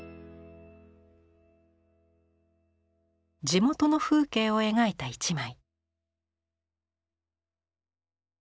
地元の風景を描いた一枚。